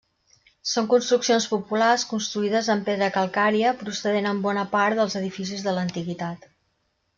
Són construccions populars construïdes amb pedra calcària, procedent en bona part, dels edificis de l'Antiguitat.